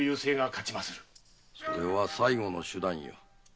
それは最後の手段よ。